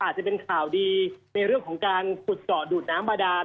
อาจจะเป็นข่าวดีในเรื่องของการขุดเจาะดูดน้ำบาดาน